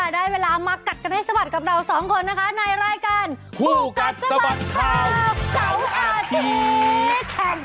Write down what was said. ได้เวลามากัดกันให้สะบัดกับเราสองคนนะคะในรายการคู่กัดสะบัดข่าวเสาร์อาทิตย์